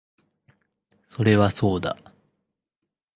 それはそうだ